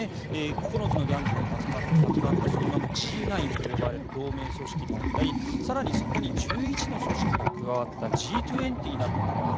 ９つのギャングが集まったその名もＧ９と呼ばれる同盟組織であったり更に、そこに１１の組織が加わったＧ２０などがある。